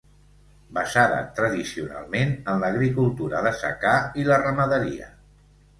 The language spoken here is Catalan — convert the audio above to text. Basada tradicionalment en l'agricultura de secà i la ramaderia.